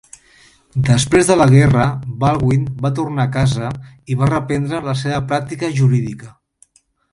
Després de la guerra, Baldwin va tornar a casa i va reprendre la seva pràctica jurídica.